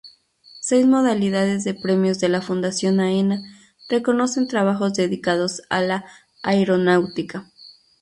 Seis modalidades de premios de la Fundación Aena reconocen trabajos dedicados a la aeronáutica.